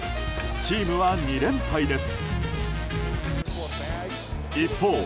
チームは２連敗です。